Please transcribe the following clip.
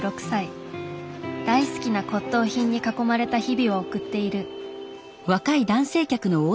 大好きな骨董品に囲まれた日々を送っている。